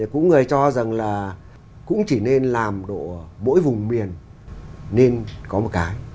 cũng người cho rằng là cũng chỉ nên làm mỗi vùng miền nên có một cái